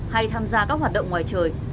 hay tham gia các hoạt động ngoài trời